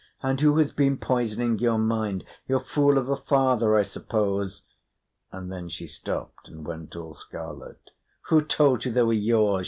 And who has been poisoning your mind? Your fool of a father, I suppose." And then she stopped and went all scarlet. "Who told you they were yours?"